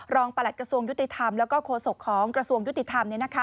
ประหลัดกระทรวงยุติธรรมแล้วก็โฆษกของกระทรวงยุติธรรม